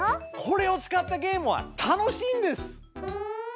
これを使ったゲームは楽しいんです！